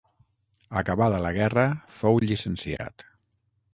Acabada la guerra, fou llicenciat.